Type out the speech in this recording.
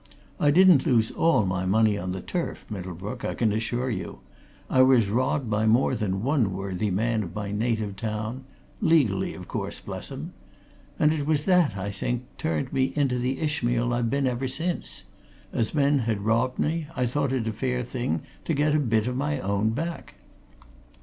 I didn't lose all my money on the turf, Middlebrook, I can assure you I was robbed by more than one worthy man of my native town legally, of course, bless 'em! And it was that, I think, turned me into the Ishmael I've been ever since as men had robbed me, I thought it a fair thing to get a bit of my own back.